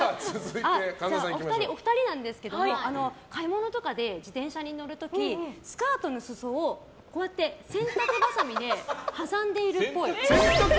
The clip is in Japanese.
お二人なんですけど買い物とかで自転車に乗る時スカートの裾を、こうやって洗濯ばさみで挟んでいるっぽい。